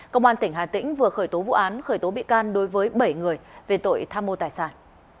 công an tỉnh hà tĩnh vừa khởi tố vụ án khởi tố bị can đối với bảy người về tội tham mô tài sản